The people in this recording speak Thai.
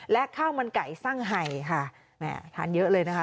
และข้าวมันไก่สร้างไห่ค่ะแม่ทานเยอะเลยนะคะ